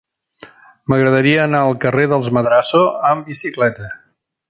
M'agradaria anar al carrer dels Madrazo amb bicicleta.